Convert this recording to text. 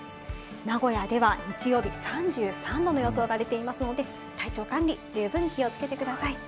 名古屋では日曜日３３度の予想が出ていますので、体調管理、十分気をつけてください。